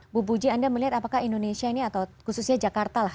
bu puji anda melihat apakah indonesia ini atau khususnya jakarta lah